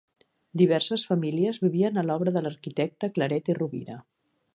Diverses famílies vivien a l'obra de l'arquitecte Claret i Rovira.